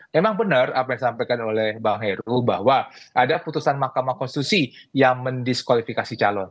memang benar apa yang disampaikan oleh bang heru bahwa ada putusan mahkamah konstitusi yang mendiskualifikasi calon